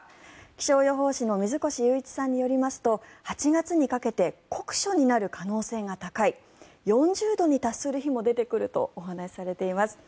気象予報士の水越祐一さんによりますと８月にかけて酷暑になる可能性が高い４０度に達する日も出てくるとお話しされています。